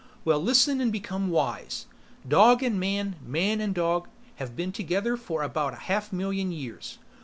"Well listen and become wise. Dog and man, man and dog, have been together for about a half million years.